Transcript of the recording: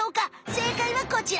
正解はこちら！